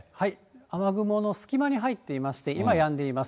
雨雲の隙間に入っていまして、今、やんでいます。